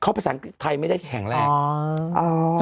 เขาภาษณ์ไทยไม่ได้แข่งแรก